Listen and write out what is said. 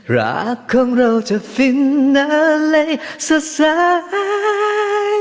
รักของเราจะฟินนั่นเลยสุดสาย